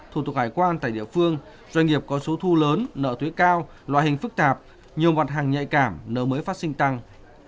thủ tục hải quan tại địa phương doanh nghiệp có số thu lớn nợ thuế cao loại hình phức tạp nhiều mặt hàng nhạy cảm nợ mới phát sinh tăng